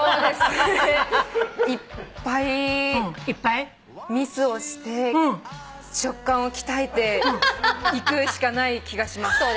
いっぱいミスをして直感を鍛えていくしかない気がします。